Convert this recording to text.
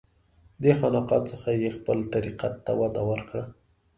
دې خانقاه څخه یې خپل طریقت ته وده ورکړه.